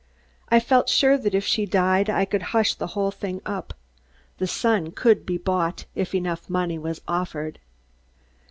I felt sure that if she died I could hush the whole thing up. The Sun could be bought, if enough money was offered.